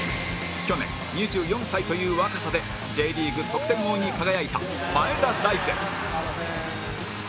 去年２４歳という若さで Ｊ リーグ得点王に輝いた前田大然